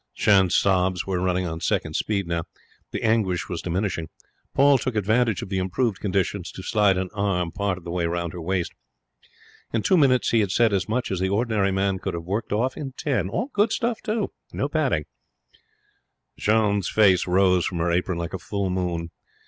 Jeanne's sobs were running on second speed now. The anguish was diminishing. Paul took advantage of the improved conditions to slide an arm part of the way round her waist. In two minutes he had said as much as the ordinary man could have worked off in ten. All good stuff, too. No padding. Jeanne's face rose from her apron like a full moon.